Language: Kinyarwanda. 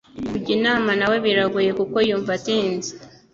Kujya inama nawe biragoye kuko yumva atinze